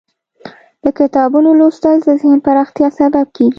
د کتابونو لوستل د ذهن پراختیا سبب کیږي.